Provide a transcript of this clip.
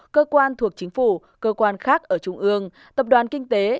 cơ quan thuộc chính phủ cơ quan khác ở trung ương tập đoàn kinh tế